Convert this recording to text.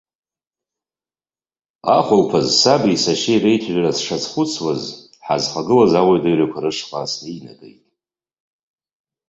Ахәылԥаз саби сашьеи реицәажәара сшазхәыцуаз, ҳазхагылаз ауадаҩрақәа рышҟа снианагеит.